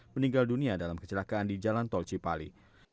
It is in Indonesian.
meninggal dunia dalam kecelakaan di jalan tol cipali